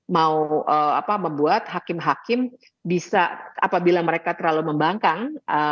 mau membuat hakim hakim bisa apabila mereka terlalu membangkang